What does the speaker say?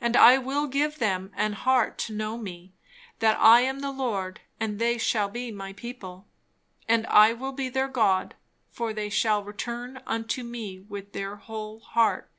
And I will give them an heart to know me, that I am the Lord: and they shall be my people, and I will be their God: for they shall return unto me with their whole heart."